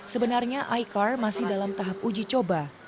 sebenarnya icar masih dalam tahap uji coba